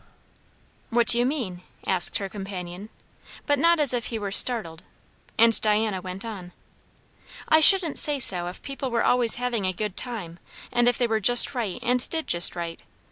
"What do you mean?" asked her companion, but not as if he were startled, and Diana went on. "I shouldn't say so if people were always having a good time, and if they were just right and did just right.